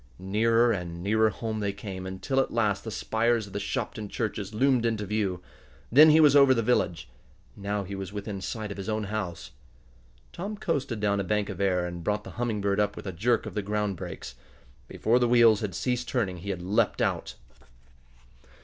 Nearer and nearer home they came, until at last the spires of the Shopton churches loomed into view. Then he was over the village. Now he was within sight of his own house. Tom coasted down a bank of air, and brought the Humming Bird up with a jerk of the ground brakes. Before the wheels had ceased turning he had leaped out.